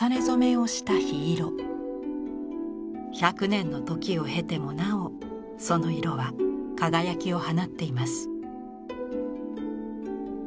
１００年の時を経てもなおその色は輝きを放っています。